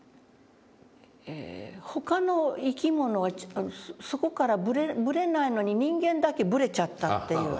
「他の生き物はそこからブレないのに人間だけブレちゃった」って言うわけ。